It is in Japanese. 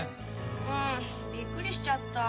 うんびっくりしちゃった。